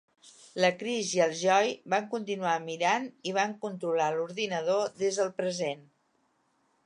La Chris i el Joy van continuar mirant i van controlar l'ordinador des del present.